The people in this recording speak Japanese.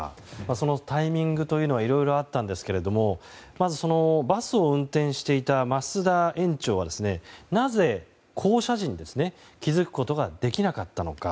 そのタイミングというのはいろいろあったんですけどもまずバスを運転していた増田園長はなぜ降車時に気づけなかったのか。